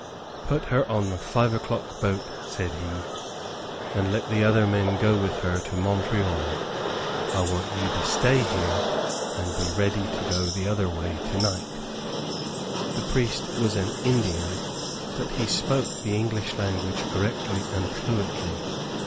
"Put her on the five o'clock boat," said he, "and let the other men go with her to Montreal. I want you to stay here, and be ready to go the other way tonight" This priest was an Indian, but he spoke the English language correctly and fluently.